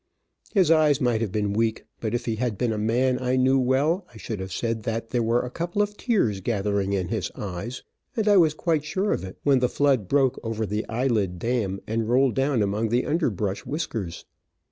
His eyes might have been weak, but if he had been a man I knew well, I should have said there were a couple of tears gathering in his eyes, and I was quite sure of it when the flood broke over the eye lid dam, and rolled down among the underbrush whiskers.